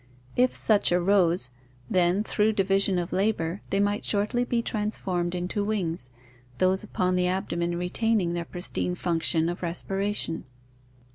If such arose, then, through division of labor, they might shortly be transformed into wings, those upon the abdomen retaining their pristine function of respiration.